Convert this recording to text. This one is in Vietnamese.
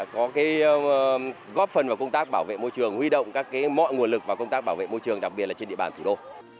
có góp phần vào công tác bảo vệ môi trường huy động các mọi nguồn lực và công tác bảo vệ môi trường đặc biệt là trên địa bàn thủ đô